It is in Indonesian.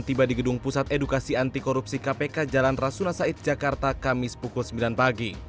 tiba di gedung pusat edukasi antikorupsi kpk jalan rasunasaid jakarta kamis pukul sembilan pagi